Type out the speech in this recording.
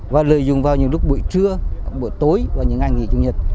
và lợi dụng vào những lúc buổi trưa buổi tối và những ngày nghỉ chủ nhật